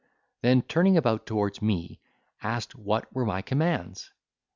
Then turning about towards me, asked what were my commands?